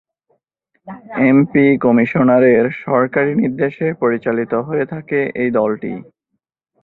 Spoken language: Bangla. এমপি কমিশনারের সরাসরি নির্দেশে পরিচালিত হয়ে থাকে এই দলটি।